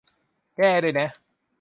แก้ด้วยนะ